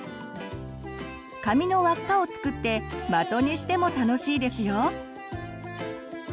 紙の輪っかを作って的にしても楽しいですよ。